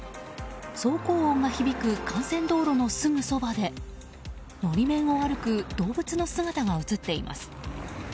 走行音が響く幹線道路のすぐそばで法面を歩く動物の姿が映っています。